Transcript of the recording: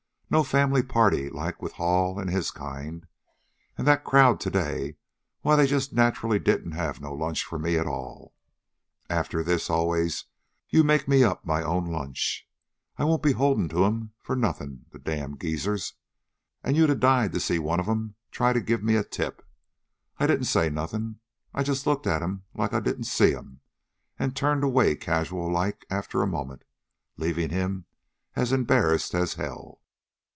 No family party like with Hall an' HIS kind. An' that crowd to day, why, they just naturally didn't have no lunch for me at all. After this, always, you make me up my own lunch. I won't be be holdin' to 'em for nothin', the damned geezers. An' you'd a died to seen one of 'em try to give me a tip. I didn't say nothin'. I just looked at 'm like I didn't see 'm, an' turned away casual like after a moment, leavin' him as embarrassed as hell."